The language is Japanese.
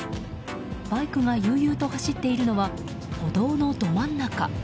バイクが悠々と走っているのは歩道のど真ん中。